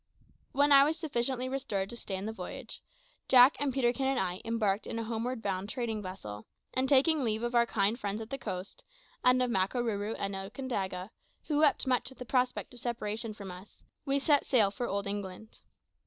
When I was sufficiently restored to stand the voyage, Jack and Peterkin and I embarked in a homeward bound trading vessel, and taking leave of our kind friends of the coast, and of Makarooroo and Okandaga, who wept much at the prospect of separation from us, we set sail for Old England.